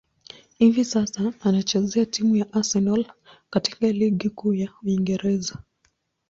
Hivi sasa, anachezea timu ya Arsenal katika ligi kuu ya Uingereza.